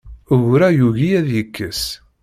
Ugur-a yugi ad yekkes.